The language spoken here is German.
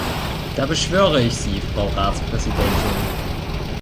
Da beschwöre ich Sie, Frau Ratspräsidentin.